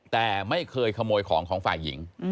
แต่ไม่เคยขโมยของของฝ่ายหญิง